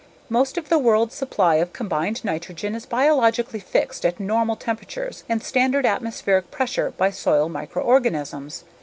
Most of the world's supply of combined nitrogen is biologically fixed at normal temperatures and standard atmospheric pressure by soil microorganisms.